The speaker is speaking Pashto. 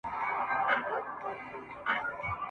جهاني په ژوند پوه نه سوم چي د کوچ نارې خبر کړم !.